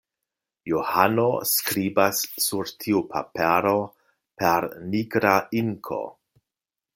Johano skribas sur tiu papero per nigra inko.